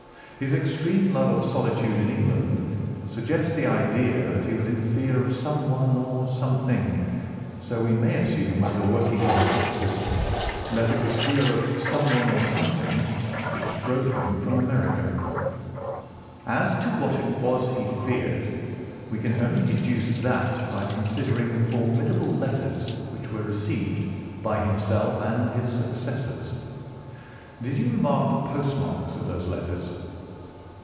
His extreme love of solitude in England suggests the idea that he was in fear of someone or something, so we may assume as a working hypothesis that it was fear of someone or something which drove him from America. As to what it was he feared, we can only deduce that by considering the formidable letters which were received by himself and his successors. Did you remark the postmarks of those letters?"